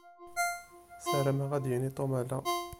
Sarameɣ ad d-yini Tom ala.